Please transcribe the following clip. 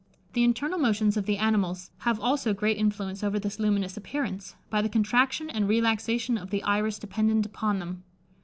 The internal motions of the animals have also great influence over this luminous appearance, by the contraction and relaxation of the iris dependent upon them.